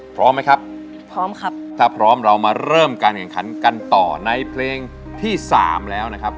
พร้อมไหมครับพร้อมครับถ้าพร้อมเรามาเริ่มการแข่งขันกันต่อในเพลงที่สามแล้วนะครับ